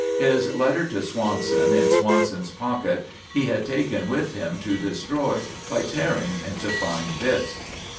His letter to Swanson, in Swanson's pocket, he had taken with him to destroy by tearing into fine bits.